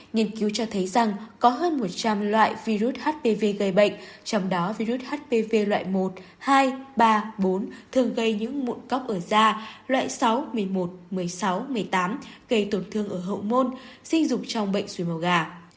nghiên cứu cho thấy rằng có hơn một trăm linh loại virus hpv gây bệnh trong đó virus hpv loại một hai ba bốn thường gây những mụn cóc ở da loại sáu một mươi một một mươi sáu một mươi tám gây tổn thương ở hậu môn sinh dục trong bệnh xuồi máu gà